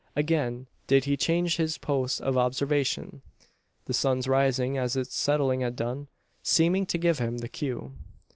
Again did he change his post of observation; the sun's rising as its setting had done seeming to give him the cue.